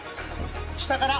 下から。